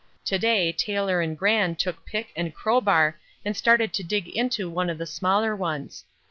To day Taylor and Gran took pick and crowbar and started to dig into one of the smaller ones.